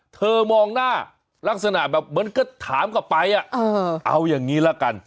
มองหน้าลักษณะแบบเหมือนก็ถามกลับไปเอาอย่างนี้ละกัน